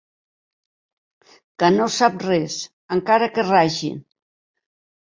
Que no sap res, encara que ragin.